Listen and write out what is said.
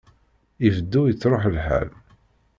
Ibeddu ittṛuḥ lḥal.